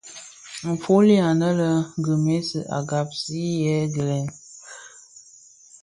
Nfuli anë lè Gremisse a ghaksi jèè yilè.